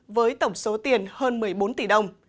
với tổng số tiền hơn một mươi bốn tỷ đồng